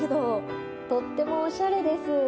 とってもおしゃれです。